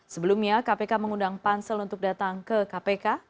sebelumnya kpk mengundang pansel untuk datang ke kpk